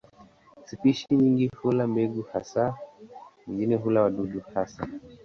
Spishi nyingine hula mbegu hasa, nyingine hula wadudu hasa.